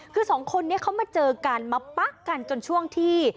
คือสองคนนี้เขามาเจอกันมาปั๊กกันจนช่วงที่